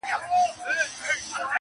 تسلیت لره مي راسی لږ یې غم را سره یوسی-